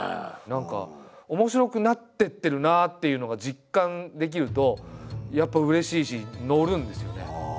何か面白くなってってるなあっていうのが実感できるとやっぱうれしいし乗るんですよね。